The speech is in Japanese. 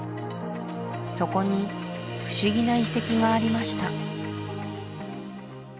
そこに不思議な遺跡がありました